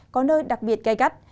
có nơi đặc biệt cay cắt